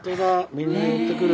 みんな寄ってくる。